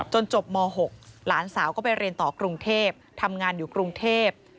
จบม๖หลานสาวก็ไปเรียนต่อกรุงเทพทำงานอยู่กรุงเทพ